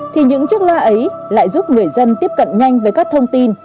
thì những chiếc loa ấy lại giúp người dân tiếp cận nhanh với các thông tin